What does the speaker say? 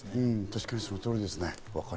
確かにその通りですね。